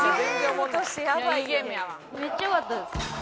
めっちゃよかったです。